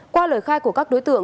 qua lời khai của các đối tượng